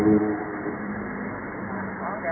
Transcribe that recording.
ขอร้องขอบคุณที่ทำดีดีกับแม่ของฉันหน่อยครับ